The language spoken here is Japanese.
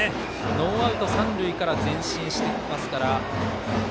ノーアウト、三塁から前進していますから。